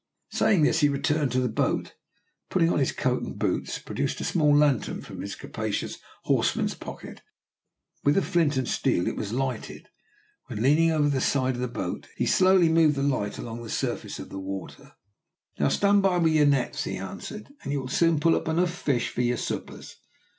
Saying this, he returned to the boat, and, putting on his coat and boots, produced a small lantern from his capacious horseman's pocket. With a flint and steel it was lighted, when, leaning over the side of the boat, he slowly moved the light along the surface of the water. "Now stand by with your nets," he answered, "and you will soon pull up enough fish for your suppers."